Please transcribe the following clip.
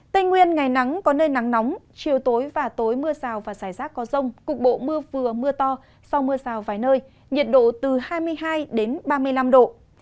tây nguyên ngày nắng có nơi nắng nóng chiều tối và tối mưa rào và rải rác có rông cục bộ mưa vừa mưa to do mưa rào vài nơi nhiệt độ từ hai mươi hai ba mươi năm độ